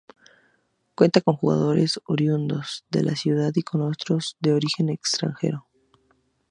Cuenta con jugadores oriundos de la ciudad y con otros de origen extranjero.